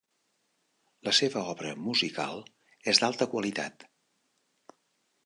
La seva obra musical és d'alta qualitat.